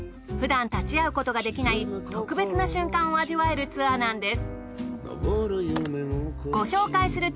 ふだん立ち会うことができない特別な瞬間を味わえるツアーなんです。